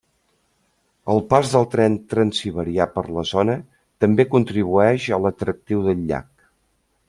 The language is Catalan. El pas del tren transsiberià per la zona, també contribueix a l'atractiu del llac.